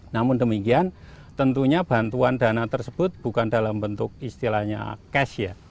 namun demikian tentunya bantuan dana tersebut bukan dalam bentuk istilahnya cash ya